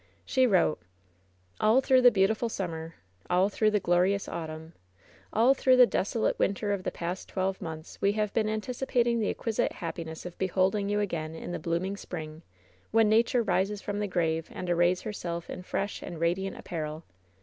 She wrote: "All through the beautiful summer, all through the glorious autumn, all through the desolate winter of the past twelve months we have been anticipating the ex quisite happiness of beholding jou again in the bloom ing spring, when nature rises from the grave, and ar rays herself in fresh and radiant apparel.